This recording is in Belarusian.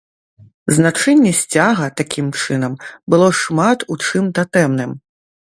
Значэнне сцяга, такім чынам, было шмат у чым татэмным.